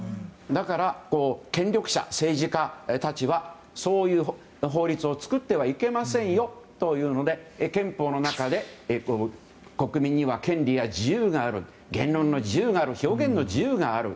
だから、権力者、政治家たちはそういう法律を作ってはいけませんよというので憲法の中で国民には権利が自由がある言論の自由がある表現の自由がある。